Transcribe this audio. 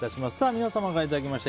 皆様からいただきました